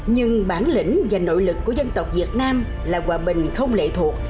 nhưng bản lĩnh và nội lực của dân tộc việt nam là hòa bình không lệ thuộc